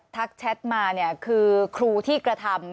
แชทมาเนี่ยคือครูที่กระทำ